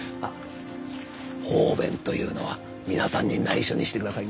方便というのは皆さんに内緒にしてくださいね。